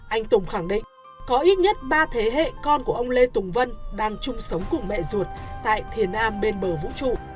anh tùng khẳng định có ít nhất ba thế hệ con của ông lê tùng vân đang chung sống cùng mẹ ruột tại thiền nam bên bờ vũ trụ